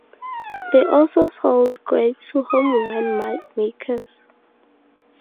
They also sold grapes to home wine makers.